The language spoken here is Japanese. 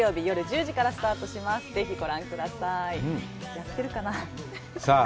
やってるかなあ。